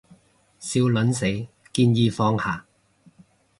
笑撚死，建議放下